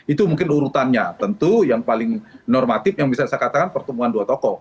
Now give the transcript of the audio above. itu mungkin urutannya tentu yang paling normatif yang bisa saya katakan pertemuan dua tokoh